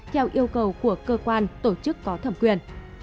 theo yêu cầu của cơ quan tổ chức có thẩm quyền